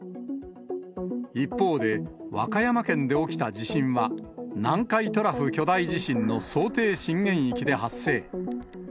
一方で、和歌山県で起きた地震は、南海トラフ巨大地震の想定震源域で発生。